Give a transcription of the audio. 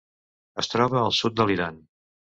Es troba al sud de l'Iran.